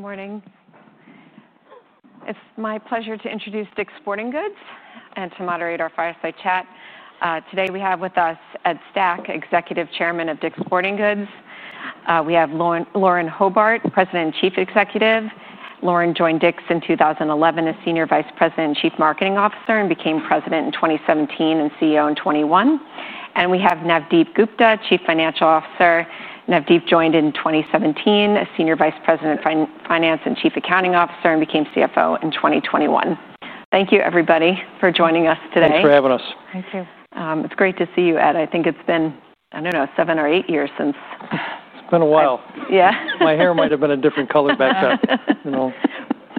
Good morning. It's my pleasure to introduce Dick's Sporting Goods and to moderate our fireside chat. Today, we have with us Ed Stack, Executive Chairman of Dick's Sporting Goods. We have Lauren Hobart, President and Chief Executive. Lauren joined Dick's in 2011 as Senior Vice President and Chief Marketing Officer, and became president in 2017, and CEO in 2021. We have Navdeep Gupta, Chief Financial Officer. Navdeep joined in 2017 as Senior Vice President of Finance and Chief Accounting Officer, and became CFO in 2021. Thank you, everybody, for joining us today. Thanks for having us. Thank you. It's great to see you, Ed. I think it's been, I don't know, seven or eight years since It's been a while. Yeah. My hair might have been a different color back then, you know.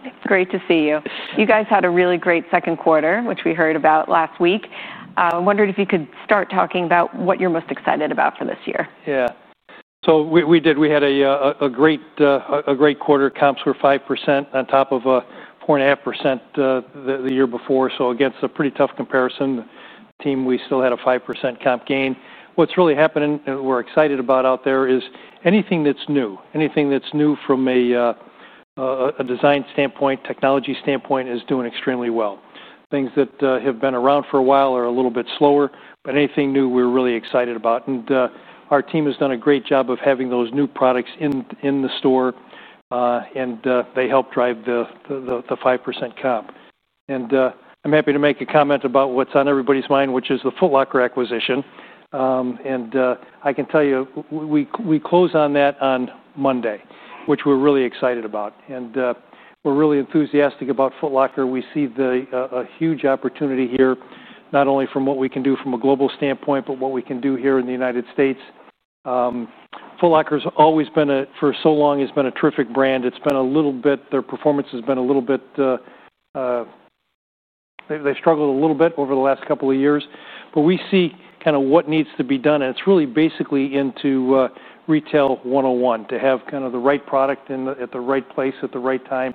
It's great to see you. You guys had a really great Q2, which we heard about last week. I wondered if you could start talking about what you're most excited about for this year. Yeah. So we did. We had a great quarter. Comps were 5% on top of a 4.5%, the year before, so against a pretty tough comparison. The team, we still had a 5% comp gain. What's really happening, and we're excited about out there, is anything that's new from a design standpoint, technology standpoint, is doing extremely well. Things that have been around for a while are a little bit slower, but anything new, we're really excited about. And our team has done a great job of having those new products in the store, and they helped drive the 5% comp. And I'm happy to make a comment about what's on everybody's mind, which is the Foot Locker acquisition. I can tell you, we closed on that on Monday, which we're really excited about. And we're really enthusiastic about Foot Locker. We see a huge opportunity here, not only from what we can do from a global standpoint, but what we can do here in the United States. Foot Locker's always been a terrific brand for so long. It's been a little bit - their performance has been a little bit. They struggled a little bit over the last couple of years, but we see kind of what needs to be done, and it's really basically into Retail 101, to have kind of the right product at the right place, at the right time.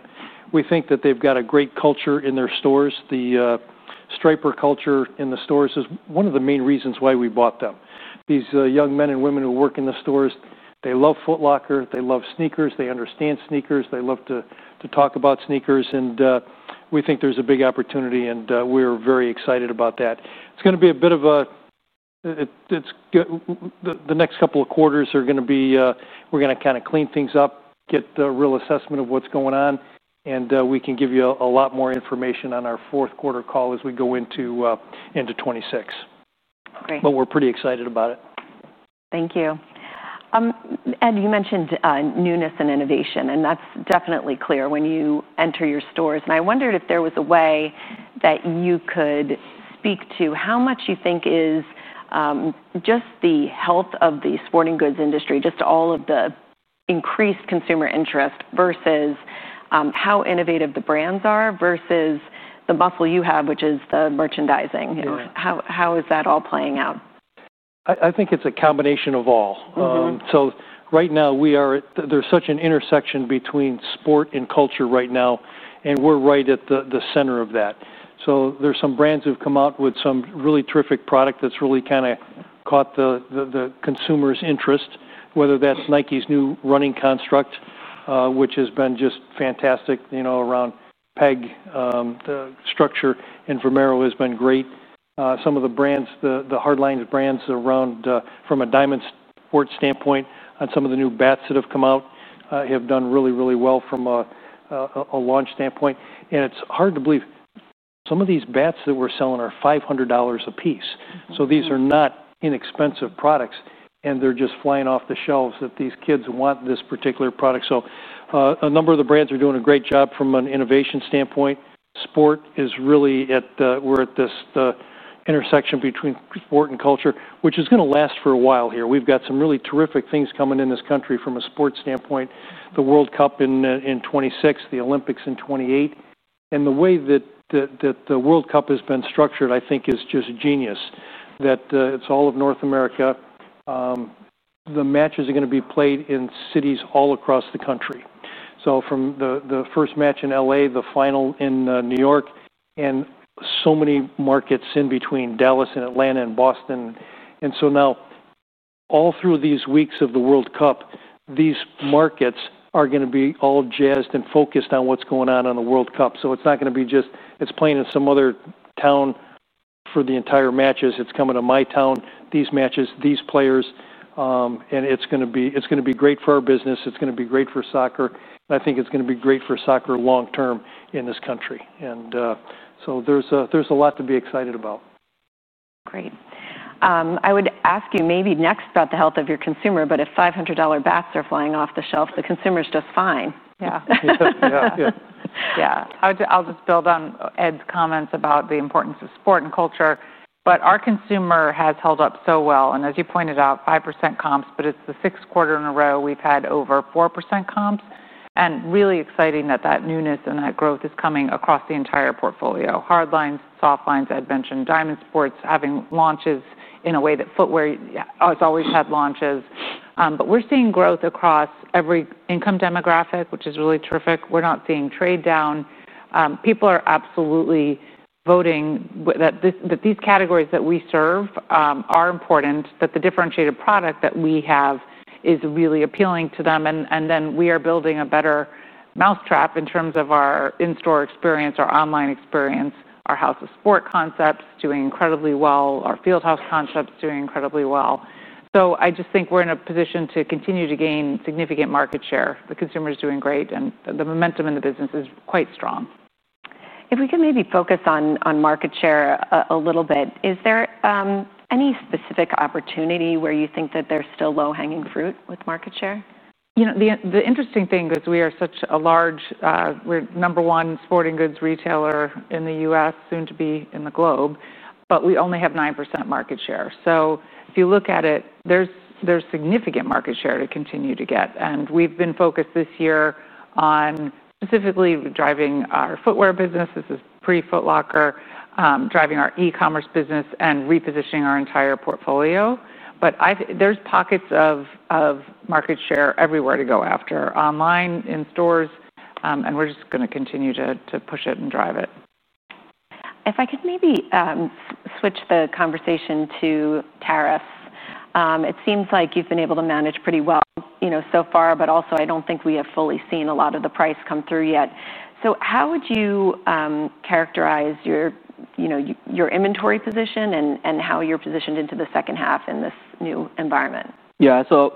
We think that they've got a great culture in their stores. The Striper culture in the stores is one of the main reasons why we bought them. These young men and women who work in the stores, they love Foot Locker, they love sneakers, they understand sneakers, they love to talk about sneakers, and we think there's a big opportunity, and we're very excited about that. It's gonna be a bit of a the next couple of quarters are gonna be. We're gonna kind of clean things up, get the real assessment of what's going on, and we can give you a lot more information on our Q4 call as we go into 2026. Great. But we're pretty excited about it. Thank you. Ed, you mentioned newness and innovation, and that's definitely clear when you enter your stores, and I wondered if there was a way that you could speak to how much you think is just the health of the sporting goods industry, just all of the increased consumer interest, versus how innovative the brands are, versus the muscle you have, which is the merchandising. Yeah. How is that all playing out? I think it's a combination of all. Mm-hmm. So right now, we are at... There's such an intersection between sport and culture right now, and we're right at the center of that. So there's some brands who've come out with some really terrific product that's really kind of caught the consumer's interest, whether that's Nike's new running construct, which has been just fantastic, you know, around Peg. The structure in Vomero has been great. Some of the brands, the hardlines brands around from a diamond sports standpoint on some of the new bats that have come out, have done really, really well from a launch standpoint. And it's hard to believe some of these bats that we're selling are $500 apiece. So these are not inexpensive products, and they're just flying off the shelves, that these kids want this particular product. So a number of the brands are doing a great job from an innovation standpoint. Sport is really at... we're at this intersection between sport and culture, which is gonna last for a while here. We've got some really terrific things coming in this country from a sports standpoint: the World Cup in 2026, the Olympics in 2028. And the way that the World Cup has been structured, I think, is just genius, that it's all of North America. The matches are gonna be played in cities all across the country, so from the first match in LA, the final in New York, and so many markets in between, Dallas and Atlanta and Boston. And so now, all through these weeks of the World Cup, these markets are gonna be all jazzed and focused on what's going on in the World Cup, so it's not gonna be just, "It's playing in some other town for the entire matches. It's coming to my town, these matches, these players." And it's gonna be, it's gonna be great for our business. It's gonna be great for soccer, and I think it's gonna be great for soccer long term in this country. And, so there's a lot to be excited about. Great. I would ask you maybe next about the health of your consumer, but if $500 bats are flying off the shelf, the consumer's just fine. Yeah. Yeah, yeah. Yeah. I'll just build on Ed's comments about the importance of sport and culture, but our consumer has held up so well, and as you pointed out, 5% comps, but it's the sixth quarter in a row we've had over 4% comps, and really exciting that the newness and that growth is coming across the entire portfolio. Hardlines, softlines, Ed mentioned Diamond Sports having launches in a way that footwear has always had launches, but we're seeing growth across every income demographic, which is really terrific. We're not seeing trade down. People are absolutely voting that these categories that we serve are important, that the differentiated product that we have is really appealing to them. Then we are building a better mousetrap in terms of our in-store experience, our online experience, our House of Sport concept's doing incredibly well, our Field House concept's doing incredibly well. So I just think we're in a position to continue to gain significant market share. The consumer is doing great, and the momentum in the business is quite strong. If we can maybe focus on market share a little bit, is there any specific opportunity where you think that there's still low-hanging fruit with market share? You know, the interesting thing is we are such a large, we're number one sporting goods retailer in the U.S., soon to be in the globe, but we only have 9% market share. So if you look at it, there's significant market share to continue to get, and we've been focused this year on specifically driving our footwear business. This is pre-Foot Locker, driving our e-commerce business and repositioning our entire portfolio. But there's pockets of market share everywhere to go after: online, in stores, and we're just gonna continue to push it and drive it. If I could maybe switch the conversation to tariffs. It seems like you've been able to manage pretty well, you know, so far, but also I don't think we have fully seen a lot of the price come through yet. So how would you characterize your, you know, your inventory position and how you're positioned into the second half in this new environment? Yeah, so,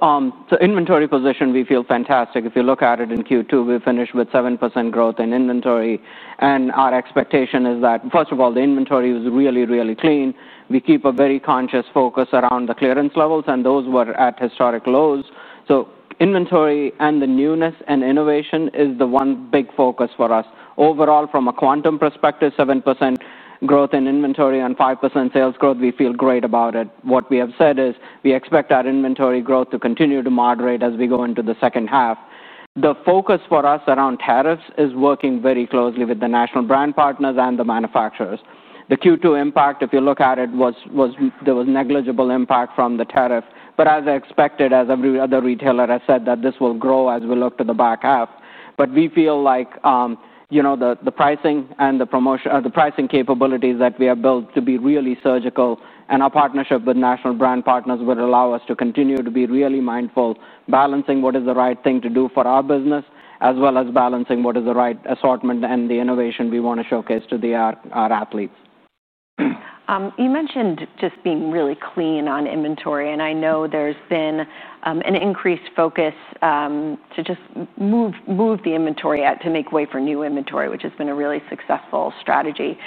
so inventory position, we feel fantastic. If you look at it in Q2, we finished with 7% growth in inventory, and our expectation is that, first of all, the inventory is really, really clean. We keep a very conscious focus around the clearance levels, and those were at historic lows. So inventory and the newness and innovation is the one big focus for us. Overall, from a quantitative perspective, 7% growth in inventory on 5% sales growth, we feel great about it. What we have said is, we expect our inventory growth to continue to moderate as we go into the second half. The focus for us around tariffs is working very closely with the national brand partners and the manufacturers. The Q2 impact, if you look at it, there was negligible impact from the tariff. But as expected, as every other retailer has said, that this will grow as we look to the back half. But we feel like, you know, the pricing capabilities that we have built to be really surgical, and our partnership with national brand partners will allow us to continue to be really mindful, balancing what is the right thing to do for our business, as well as balancing what is the right assortment and the innovation we wanna showcase to our athletes. You mentioned just being really clean on inventory, and I know there's been an increased focus to just move the inventory out to make way for new inventory, which has been a really successful strategy.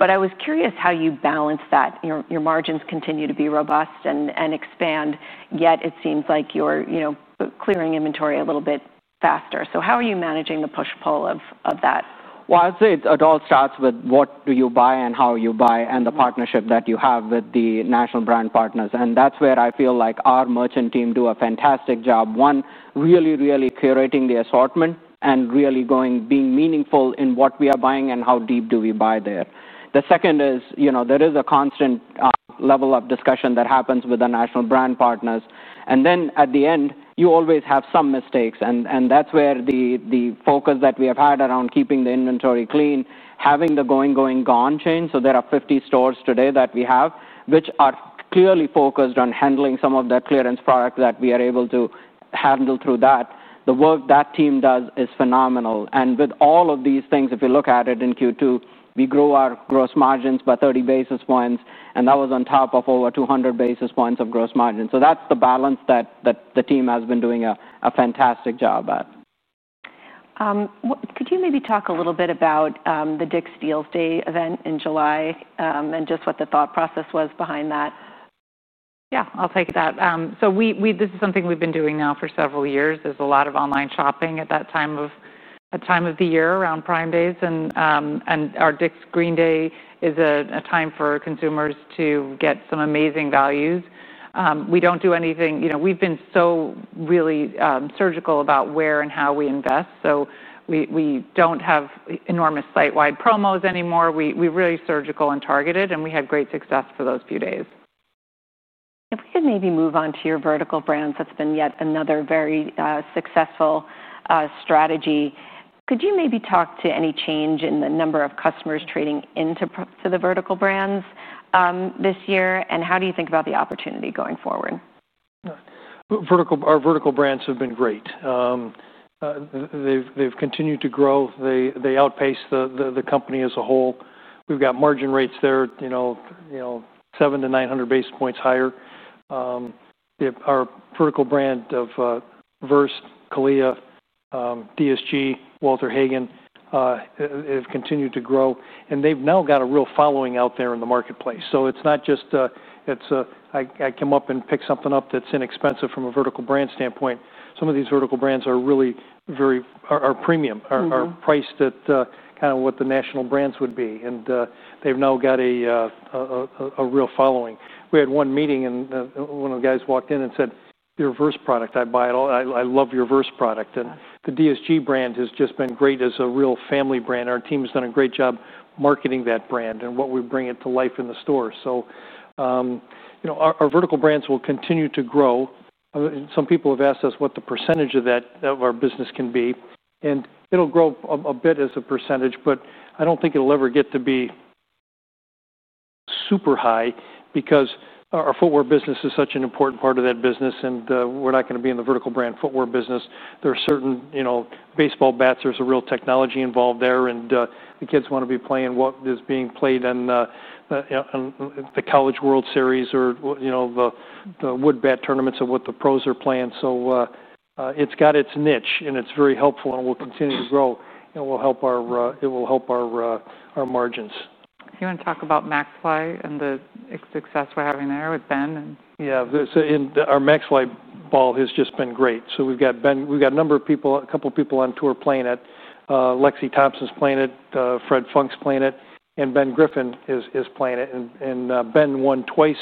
But I was curious how you balance that. Your margins continue to be robust and expand, yet it seems like you're, you know, clearing inventory a little bit faster. So how are you managing the push-pull of that? I'd say it all starts with what do you buy and how you buy, and the partnership that you have with the national brand partners. That's where I feel like our merchant team do a fantastic job. One, really, really curating the assortment and really going being meaningful in what we are buying and how deep do we buy there. The second is, you know, there is a constant level of discussion that happens with the national brand partners. And then, at the end, you always have some mistakes, and that's where the focus that we have had around keeping the inventory clean, having the Going, Going, Gone! chain. There are 50 stores today that we have, which are clearly focused on handling some of that clearance product that we are able to handle through that. The work that team does is phenomenal. And with all of these things, if you look at it in Q2, we grew our gross margins by 30 basis points, and that was on top of over 200 basis points of gross margin. So that's the balance that the team has been doing a fantastic job at. Could you maybe talk a little bit about the Dick's Deals Day event in July, and just what the thought process was behind that? Yeah, I'll take that. So, this is something we've been doing now for several years. There's a lot of online shopping at that time of the year, around Prime Days, and our Dick's Green Day is a time for consumers to get some amazing values. We don't do anything... You know, we've been so really surgical about where and how we invest, so we don't have enormous site-wide promos anymore. We're really surgical and targeted, and we had great success for those few days. If we could maybe move on to your vertical brands, that's been yet another very successful strategy. Could you maybe talk to any change in the number of customers trading into to the vertical brands, this year, and how do you think about the opportunity going forward? Yeah. Our vertical brands have been great. They've continued to grow. They outpace the company as a whole. We've got margin rates there, you know, 700 to 900 basis points higher. Our vertical brands, VRST, CALIA, DSG, Walter Hagen, have continued to grow, and they've now got a real following out there in the marketplace. So it's not just I come up and pick something up that's inexpensive from a vertical brand standpoint. Some of these vertical brands are really very premium- Mm-hmm.... are priced at kind of what the national brands would be, and they've now got a real following. We had one meeting, and one of the guys walked in and said, "Your VRST product, I buy it a lot. I love your VRST product." And the DSG brand has just been great as a real family brand. Our team has done a great job marketing that brand and what we bring it to life in the store. You know, our vertical brands will continue to grow. And some people have asked us what the percentage of that, of our business can be, and it'll grow a bit as a percentage, but I don't think it'll ever get to be super high because our footwear business is such an important part of that business, and we're not gonna be in the vertical brand footwear business. There are certain, you know, baseball bats. There's a real technology involved there, and the kids wanna be playing what is being played on the College World Series or what, you know, the wood bat tournaments of what the pros are playing. So, it's got its niche, and it's very helpful and will continue to grow, and it will help our margins. Do you wanna talk about Maxfli and the success we're having there with Ben and? Yeah, this and our Maxfli ball has just been great. So we've got a number of people, a couple of people on tour playing it. Lexi Thompson's playing it, Fred Funk's playing it, and Ben Griffin is playing it. And Ben won twice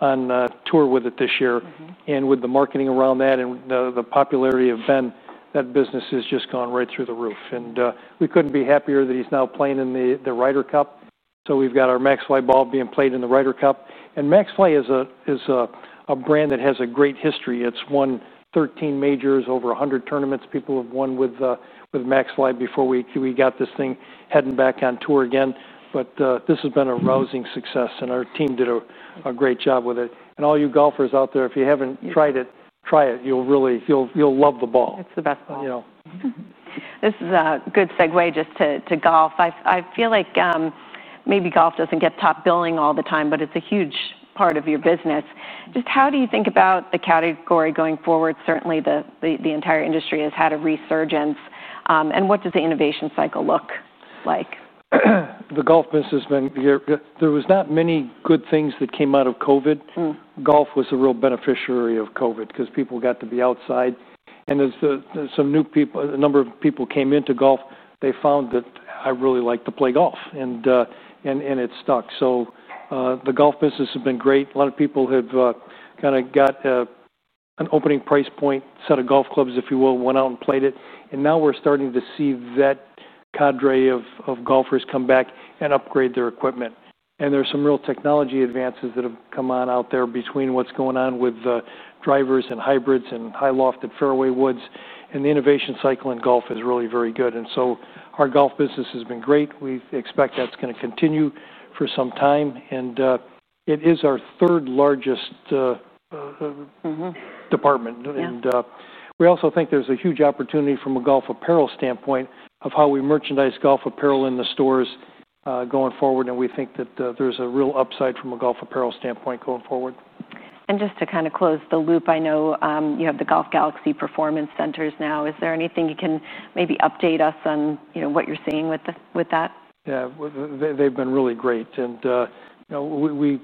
on tour with it this year. Mm-hmm. With the marketing around that and the popularity of Ben, that business has just gone right through the roof. We couldn't be happier that he's now playing in the Ryder Cup. So we've got our Maxfli ball being played in the Ryder Cup. And Maxfli is a brand that has a great history. It's won 13 majors, over 100 tournaments. People have won with Maxfli before we got this thing heading back on tour again. But this has been a rousing success, and our team did a great job with it. And all you golfers out there, if you haven't tried it, try it. You'll really love the ball. It's the best ball. Yeah. This is a good segue just to golf. I feel like maybe golf doesn't get top billing all the time, but it's a huge part of your business. Just how do you think about the category going forward? Certainly, the entire industry has had a resurgence, and what does the innovation cycle look like? The golf business has been... There was not many good things that came out of COVID. Mm. Golf was a real beneficiary of COVID because people got to be outside, and as some new people, a number of people came into golf, they found that, "I really like to play golf," and it stuck. So, the golf business has been great. A lot of people have kinda got an opening price point, set of golf clubs, if you will, went out and played it, and now we're starting to see that cadre of golfers come back and upgrade their equipment. And there are some real technology advances that have come on out there between what's going on with drivers and hybrids and high-lofted fairway woods, and the innovation cycle in golf is really very good. And so our golf business has been great. We expect that's gonna continue for some time, and it is our third largest. Mm-hmm... department. Yeah. We also think there's a huge opportunity from a golf apparel standpoint of how we merchandise golf apparel in the stores, going forward, and we think that there's a real upside from a golf apparel standpoint going forward. Just to kinda close the loop, I know you have the Golf Galaxy Performance Centers now. Is there anything you can maybe update us on, you know, what you're seeing with that? Yeah. They've been really great. You know,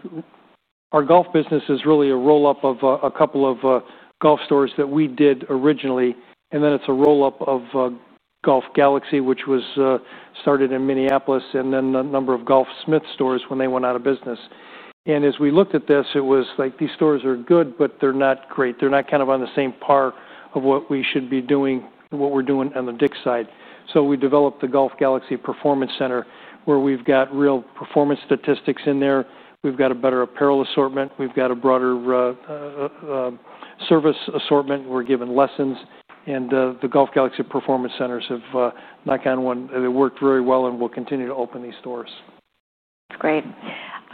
our golf business is really a roll-up of a couple of golf stores that we did originally, and then it's a roll-up of Golf Galaxy, which was started in Minneapolis, and then a number of Golfsmith stores when they went out of business. As we looked at this, it was like, these stores are good, but they're not great. They're not kind of on the same par of what we should be doing and what we're doing on the Dick's side, so we developed the Golf Galaxy Performance Center, where we've got real performance statistics in there. We've got a better apparel assortment. We've got a broader service assortment. We're giving lessons, and the Golf Galaxy Performance Centers have, knock on wood, worked very well, and we'll continue to open these stores. That's great.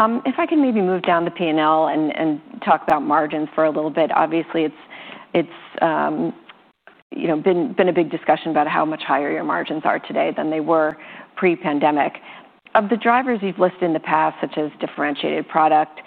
If I can maybe move down to P&L and talk about margins for a little bit. Obviously, it's you know, been a big discussion about how much higher your margins are today than they were pre-pandemic. Of the drivers you've listed in the past, such as differentiated product,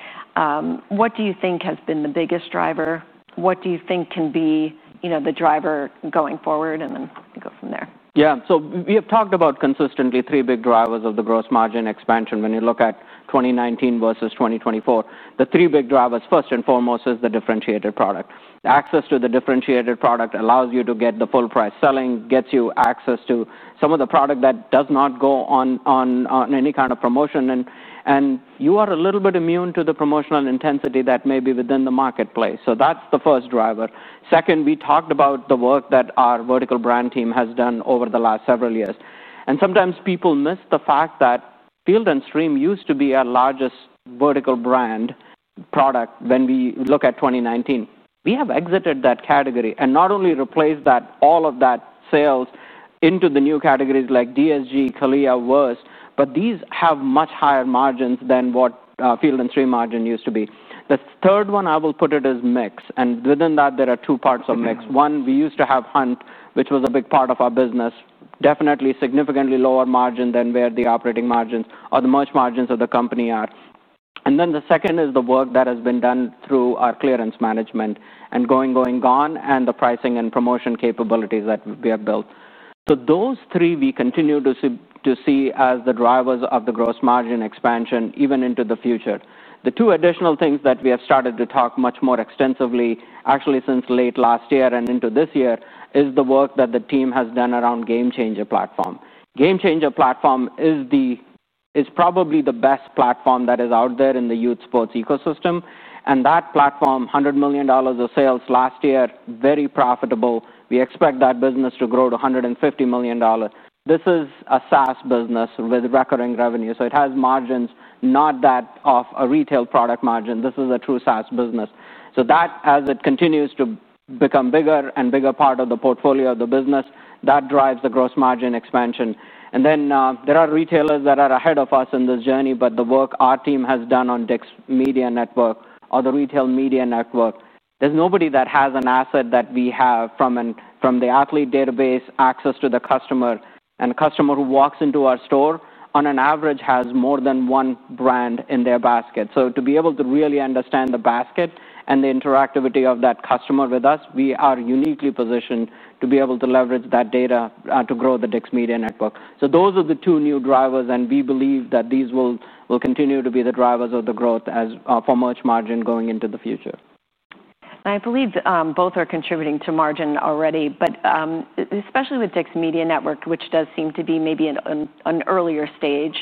what do you think has been the biggest driver? What do you think can be, you know, the driver going forward, and then we go from there? Yeah. So we have talked about consistently three big drivers of the gross margin expansion. When you look at 2019 versus 2024, the three big drivers, first and foremost, is the differentiated product. Access to the differentiated product allows you to get the full price. Selling gets you access to some of the product that does not go on any kind of promotion, and you are a little bit immune to the promotional intensity that may be within the marketplace. So that's the first driver. Second, we talked about the work that our vertical brand team has done over the last several years. And sometimes people miss the fact that Field & Stream used to be our largest vertical brand product when we look at 2019. We have exited that category and not only replaced that, all of that sales into the new categories like DSG, CALIA, VRST, but these have much higher margins than what Field & Stream margin used to be. The third one, I will put it, is mix, and within that, there are two parts of mix. Mm-hmm. One, we used to have Hunt, which was a big part of our business. Definitely significantly lower margin than where the operating margins or the merch margins of the company are. And then the second is the work that has been done through our clearance management and Going, Going, Gone!, and the pricing and promotion capabilities that we have built. So those three, we continue to see as the drivers of the gross margin expansion, even into the future. The two additional things that we have started to talk much more extensively, actually, since late last year and into this year, is the work that the team has done around GameChanger platform. GameChanger platform is probably the best platform that is out there in the youth sports ecosystem. And that platform, $100 million of sales last year, very profitable. We expect that business to grow to $150 million. This is a SaaS business with recurring revenue, so it has margins, not that of a retail product margin. This is a true SaaS business. So that, as it continues to become bigger and bigger part of the portfolio of the business, that drives the gross margin expansion. And then, there are retailers that are ahead of us in this journey, but the work our team has done on Dick's Media Network or the Retail Media Network, there's nobody that has an asset that we have from the athlete database, access to the customer, and the customer who walks into our store, on average, has more than one brand in their basket. To be able to really understand the basket and the interactivity of that customer with us, we are uniquely positioned to be able to leverage that data to grow the Dick's Media Network. So those are the two new drivers, and we believe that these will continue to be the drivers of the growth as for our margin going into the future. I believe both are contributing to margin already, but especially with Dick's Media Network, which does seem to be maybe in an earlier stage,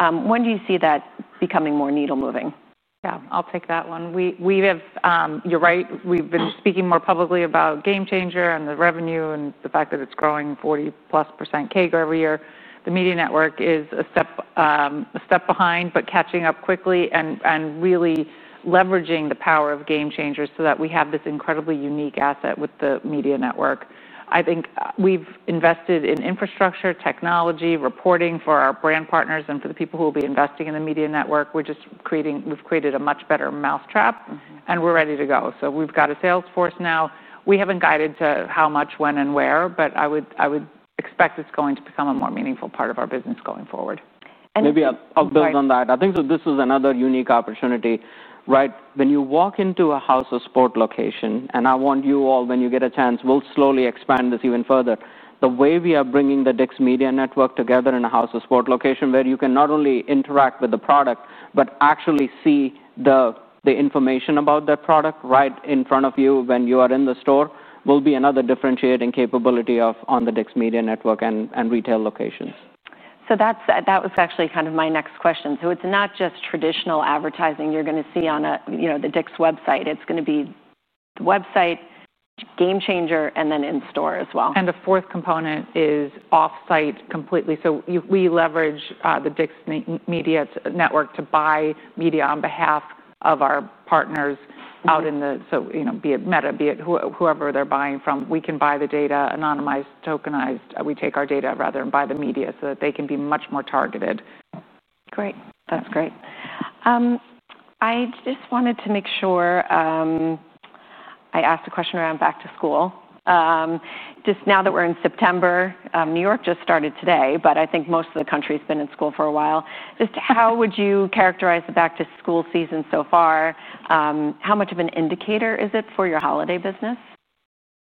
when do you see that becoming more needle moving? Yeah, I'll take that one. We have. You're right, we've been speaking more publicly about GameChanger and the revenue and the fact that it's growing 40-plus% CAGR every year. The Media Network is a step behind, but catching up quickly and really leveraging the power of GameChanger so that we have this incredibly unique asset with the Media Network. I think, we've invested in infrastructure, technology, reporting for our brand partners and for the people who will be investing in the Media Network. We've created a much better mousetrap, and we're ready to go. So we've got a sales force now. We haven't guided to how much, when, and where, but I would expect it's going to become a more meaningful part of our business going forward. And- Maybe I'll build on that. Sorry. I think that this is another unique opportunity, right? When you walk into a House of Sport location, and I want you all, when you get a chance, we'll slowly expand this even further. The way we are bringing the Dick's Media Network together in a House of Sport location, where you can not only interact with the product but actually see the information about that product right in front of you when you are in the store, will be another differentiating capability of on the Dick's Media Network and retail locations. So that's, that was actually kind of my next question. So it's not just traditional advertising you're gonna see on a, you know, the DICK'S website. It's gonna be the website, GameChanger, and then in-store as well. And the fourth component is off-site completely. So we leverage the Dick's Media Network to buy media on behalf of our partners- Mm... out in the, so, you know, be it Meta, be it whoever they're buying from, we can buy the data, anonymized, tokenized. We take our data, rather, and buy the media so that they can be much more targeted. Great. That's great. I just wanted to make sure, I asked a question around back to school. Just now that we're in September, New York just started today, but I think most of the country's been in school for a while. Just how would you characterize the back-to-school season so far? How much of an indicator is it for your holiday business?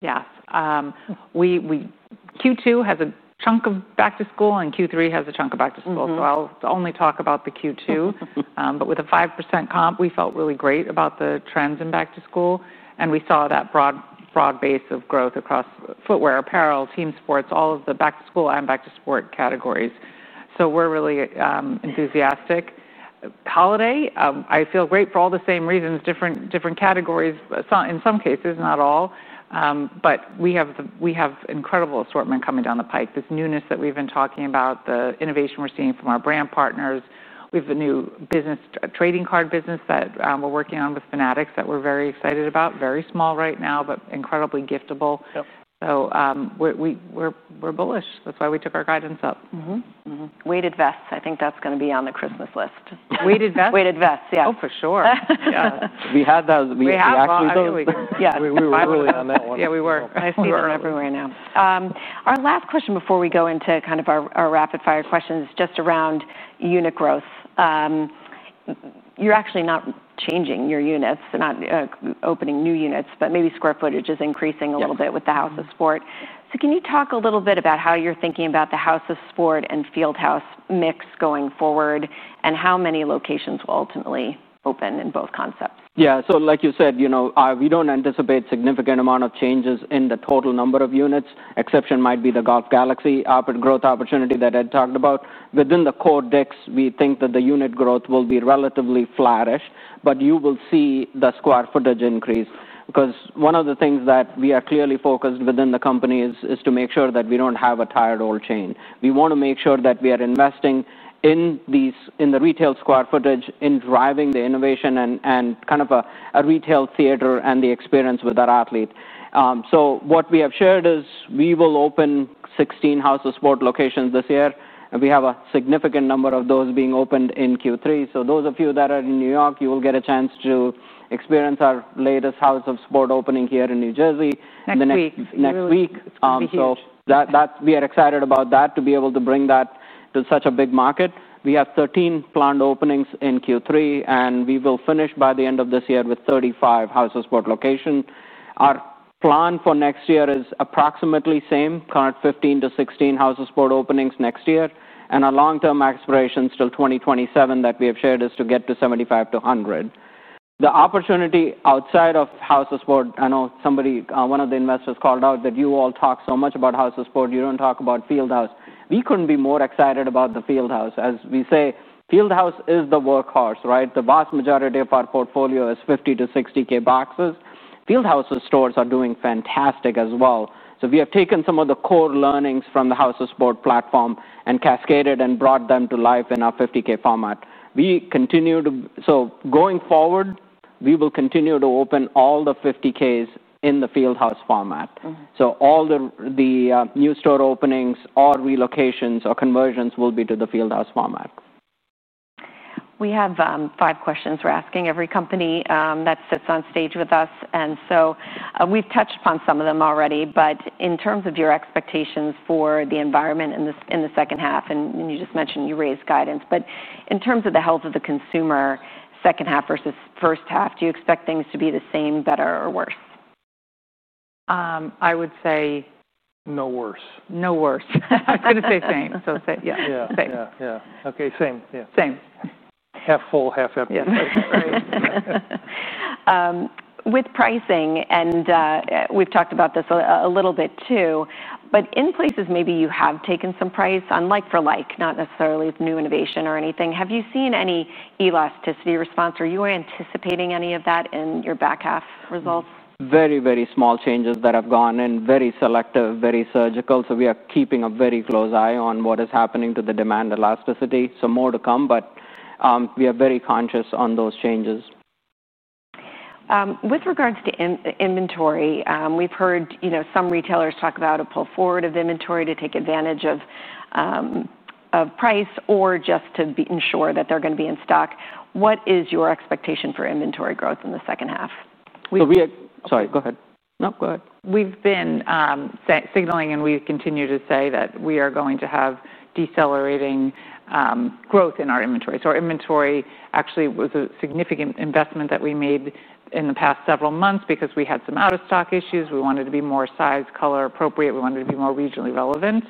Yes. Q2 has a chunk of back to school, and Q3 has a chunk of back to school. Mm-hmm. I'll only talk about the Q2. But with a 5% comp, we felt really great about the trends in back to school, and we saw that broad base of growth across footwear, apparel, team sports, all of the back to school and back to sport categories. We're really enthusiastic. Holiday, I feel great for all the same reasons. Different categories, but some, in some cases, not all. But we have incredible assortment coming down the pike. This newness that we've been talking about, the innovation we're seeing from our brand partners. We have a new business, a trading card business that we're working on with Fanatics that we're very excited about. Very small right now, but incredibly giftable. Yep. We're bullish. That's why we took our guidance up. Mm-hmm. Mm-hmm. Weighted vests, I think that's gonna be on the Christmas list. Weighted vests? Weighted vests, yeah. Oh, for sure. Yeah. We had those. We have... Well, I mean, we, We actually those. Yeah. We were early on that one. Yeah, we were. We were. I see them everywhere now. Our last question before we go into kind of our rapid-fire questions, just around unit growth. You're actually not changing your units, not opening new units, but maybe square footage is increasing a little bit with the House of Sport. So can you talk a little bit about how you're thinking about the House of Sport and Field House mix going forward, and how many locations will ultimately open in both concepts? Yeah. So like you said, you know, we don't anticipate significant amount of changes in the total number of units. Exception might be the Golf Galaxy growth opportunity that I talked about. Within the core DICK'S, we think that the unit growth will be relatively flattish, but you will see the square footage increase. Because one of the things that we are clearly focused within the company is to make sure that we don't have a tired old chain. We wanna make sure that we are investing in these, in the retail square footage, in driving the innovation and kind of a retail theater and the experience with our athlete. What we have shared is, we will open 16 House of Sport locations this year, and we have a significant number of those being opened in Q3. So those of you that are in New York, you will get a chance to experience our latest House of Sport opening here in New Jersey. Next week. In the next week. It's gonna be huge. We are excited about that, to be able to bring that to such a big market. We have 13 planned openings in Q3, and we will finish by the end of this year with 35 House of Sport locations. Our plan for next year is approximately the same, around 15 to 16 House of Sport openings next year, and our long-term aspirations till 2027 that we have shared is to get to 75 to 100. The opportunity outside of House of Sport, I know somebody, one of the investors called out that you all talk so much about House of Sport, you don't talk about Field House. We couldn't be more excited about the Field House. As we say, Field House is the workhorse, right? The vast majority of our portfolio is 50 to 60K boxes. Field House's stores are doing fantastic as well. We have taken some of the core learnings from the House of Sport platform and cascaded and brought them to life in our 50K format. Going forward, we will continue to open all the 50Ks in the Field House format. Mm-hmm. So all the new store openings or relocations or conversions will be to the Field House format. We have five questions we're asking every company that sits on stage with us, and so we've touched upon some of them already. But in terms of your expectations for the environment in the second half, and you just mentioned you raised guidance, but in terms of the health of the consumer, second half versus first half, do you expect things to be the same, better, or worse? I would say No worse. No worse. I was gonna say same, so same. Yeah. Yeah. Same. Yeah, yeah. Okay, same. Yeah. Same. Half full, half empty. Yeah. With pricing, and we've talked about this a little bit, too, but in places maybe you have taken some price on like for like, not necessarily with new innovation or anything, have you seen any elasticity response? Are you anticipating any of that in your back half results? Very, very small changes that have gone in, very selective, very surgical, so we are keeping a very close eye on what is happening to the demand elasticity. So more to come, but, we are very conscious on those changes. With regards to inventory, we've heard, you know, some retailers talk about a pull forward of inventory to take advantage of price or just to ensure that they're gonna be in stock. What is your expectation for inventory growth in the second half? Sorry, go ahead. No, go ahead. We've been signaling, and we continue to say that we are going to have decelerating growth in our inventory. So our inventory actually was a significant investment that we made in the past several months because we had some out-of-stock issues. We wanted to be more size, color appropriate. We wanted to be more regionally relevant.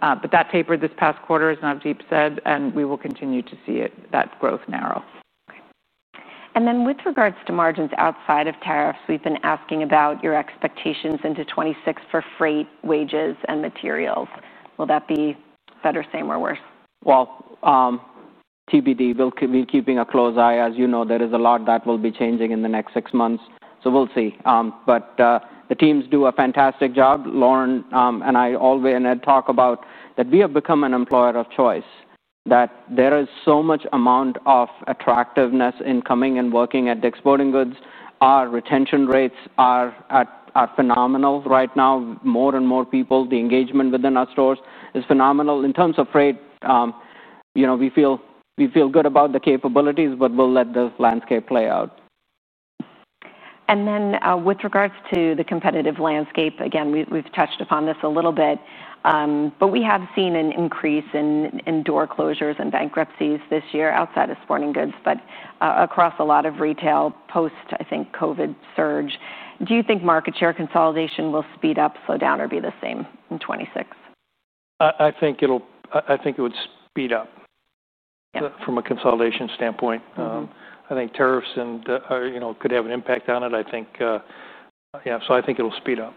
But that tapered this past quarter, as Navdeep said, and we will continue to see it, that growth narrow. Okay. And then with regards to margins outside of tariffs, we've been asking about your expectations into 2026 for freight, wages, and materials. Will that be better, same, or worse? TBD. We'll be keeping a close eye. As you know, there is a lot that will be changing in the next six months, so we'll see, but the teams do a fantastic job. Lauren and I always, and Ed, talk about that we have become an employer of choice, that there is so much amount of attractiveness in coming and working at Dick's Sporting Goods. Our retention rates are phenomenal right now. More and more people, the engagement within our stores is phenomenal. In terms of freight, you know, we feel good about the capabilities, but we'll let the landscape play out. And then, with regards to the competitive landscape, again, we've touched upon this a little bit, but we have seen an increase in door closures and bankruptcies this year outside of sporting goods, but across a lot of retail post, I think, COVID surge. Do you think market share consolidation will speed up, slow down, or be the same in 2026? I think it would speed up Yeah... from a consolidation standpoint. Mm-hmm. I think tariffs and, you know, could have an impact on it. I think, yeah, so I think it'll speed up.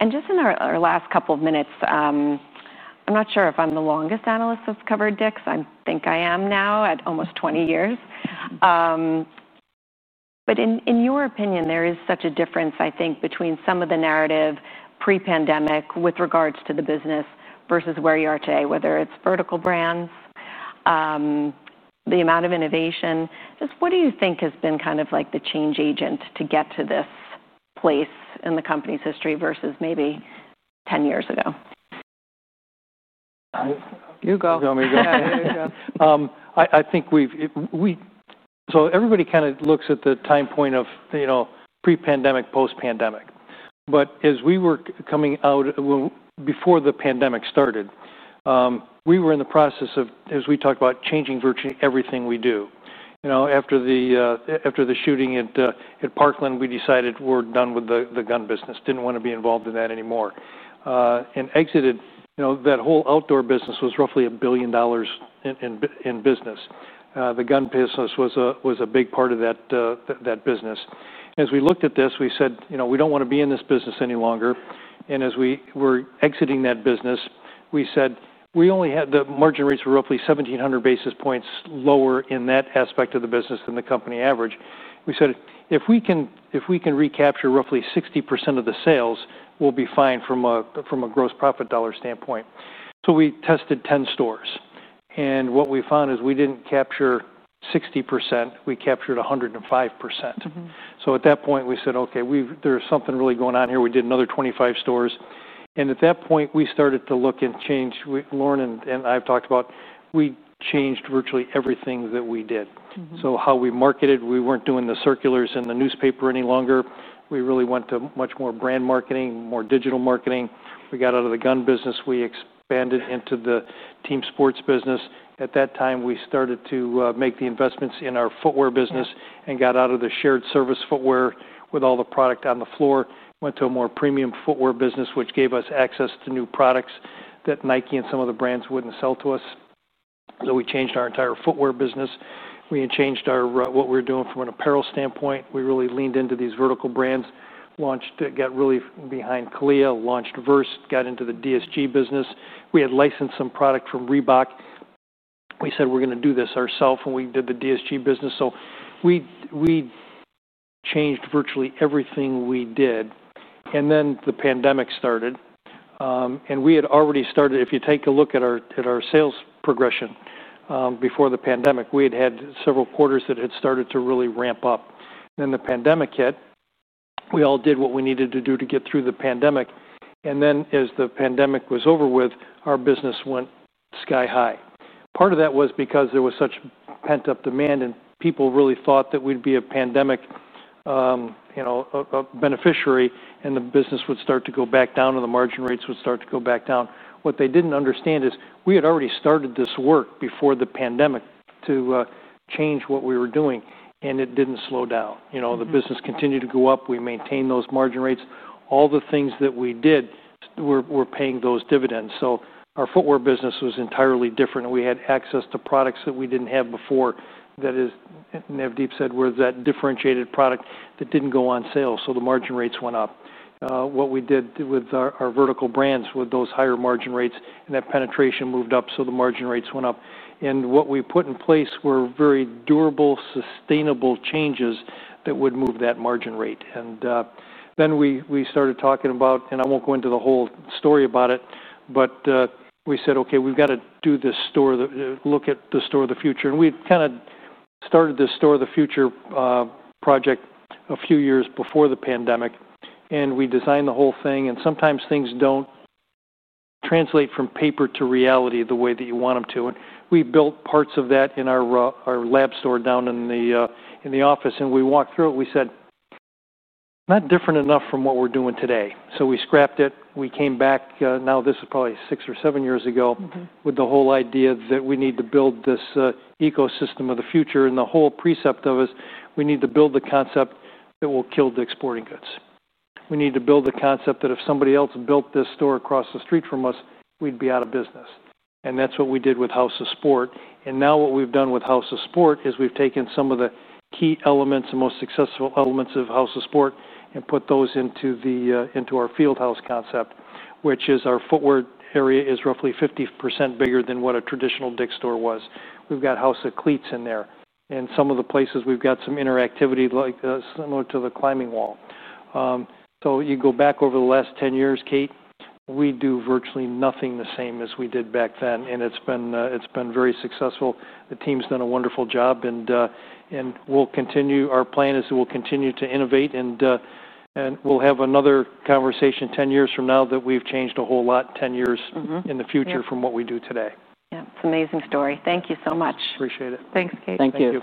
And just in our last couple of minutes, I'm not sure if I'm the longest analyst that's covered Dick's. I think I am now, at almost 20 years. But in your opinion, there is such a difference, I think, between some of the narrative pre-pandemic with regards to the business versus where you are today, whether it's vertical brands, the amount of innovation. Just what do you think has been kind of like the change agent to get to this place in the company's history versus maybe 10 years ago? You go. You want me to go? Yeah, you go. I think we've so everybody kind of looks at the time point of, you know, pre-pandemic, post-pandemic. But as we were coming out, well, before the pandemic started, we were in the process of, as we talked about, changing virtually everything we do. You know, after the shooting at Parkland, we decided we're done with the gun business, didn't want to be involved in that anymore, and exited. You know, that whole outdoor business was roughly $1 billion in business. The gun business was a big part of that business. As we looked at this, we said, "You know, we don't want to be in this business any longer." And as we were exiting that business, we said, we only had... The margin rates were roughly 1,700 basis points lower in that aspect of the business than the company average. We said, "If we can, if we can recapture roughly 60% of the sales, we'll be fine from a gross profit dollar standpoint." So we tested 10 stores, and what we found is we didn't capture 60%. We captured 105%. Mm-hmm. So at that point, we said, "Okay, we've, there's something really going on here." We did another 25 stores, and at that point, we started to look and change. We, Lauren and, and I've talked about, we changed virtually everything that we did. Mm-hmm. So how we marketed, we weren't doing the circulars in the newspaper any longer. We really went to much more brand marketing, more digital marketing. We got out of the gun business. We expanded into the team sports business. At that time, we started to make the investments in our footwear business- Yeah... and got out of the shared service footwear with all the product on the floor, went to a more premium footwear business, which gave us access to new products.... that Nike and some of the brands wouldn't sell to us. So we changed our entire footwear business. We had changed our, what we were doing from an apparel standpoint. We really leaned into these vertical brands, launched, got really behind CALIA, launched Verse, got into the DSG business. We had licensed some product from Reebok. We said: We're gonna do this ourself, and we did the DSG business. So we, we changed virtually everything we did, and then the pandemic started. And we had already started... If you take a look at our, at our sales progression, before the pandemic, we had had several quarters that had started to really ramp up. Then the pandemic hit. We all did what we needed to do to get through the pandemic, and then as the pandemic was over with, our business went sky high. Part of that was because there was such pent-up demand, and people really thought that we'd be a pandemic, you know, a beneficiary, and the business would start to go back down, and the margin rates would start to go back down. What they didn't understand is, we had already started this work before the pandemic to change what we were doing, and it didn't slow down. You know, the business continued to go up. We maintained those margin rates. All the things that we did were paying those dividends. So our footwear business was entirely different, and we had access to products that we didn't have before. That is, Navdeep said, was that differentiated product that didn't go on sale, so the margin rates went up. What we did with our vertical brands, with those higher margin rates, and that penetration moved up, so the margin rates went up. And what we put in place were very durable, sustainable changes that would move that margin rate. And then we started talking about, and I won't go into the whole story about it, but we said: Okay, we've got to do this store, look at the store of the future. And we'd kind of started this Store of the Future project a few years before the pandemic, and we designed the whole thing, and sometimes things don't translate from paper to reality the way that you want them to. And we built parts of that in our lab store down in the office, and we walked through it. We said, "Not different enough from what we're doing today." So we scrapped it. We came back, now this is probably six or seven years ago - Mm-hmm - with the whole idea that we need to build this ecosystem of the future, and the whole precept of is we need to build the concept that will kill DICK'S Sporting Goods. We need to build the concept that if somebody else built this store across the street from us, we'd be out of business, and that's what we did with House of Sport. Now what we've done with House of Sport is we've taken some of the key elements, the most successful elements of House of Sport, and put those into the into our Field House concept, which is our footwear area is roughly 50% bigger than what a traditional DICK'S store was. We've got House of Cleats in there, and some of the places we've got some interactivity, like, similar to the climbing wall. So you go back over the last 10 years, Kate, we do virtually nothing the same as we did back then, and it's been it's been very successful. The team's done a wonderful job, and and we'll continue. Our plan is we'll continue to innovate, and and we'll have another conversation 10 years from now that we've changed a whole lot 10 years. Mm-hmm. Yep. In the future from what we do today. Yeah. It's an amazing story. Thank you so much. Appreciate it. Thanks, Kate. Thank you.